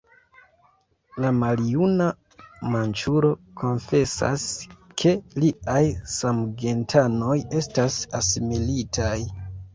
La maljuna manĉuro konfesas ke liaj samgentanoj estas asimilitaj.